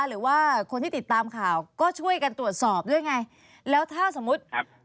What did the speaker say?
หรือว่าคนที่ติดตามข่าวก็ช่วยกันตรวจสอบด้วยไงแล้วถ้าสมมุติครับ